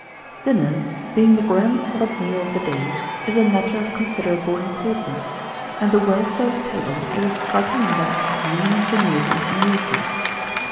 1880. Dinner, being the grand solid meal of the day, is a matter of considerable importance; and a well served table is a striking index of human, ingenuity and resource.